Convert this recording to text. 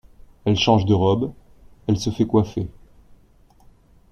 Elle change de robe, elle se fait coiffer.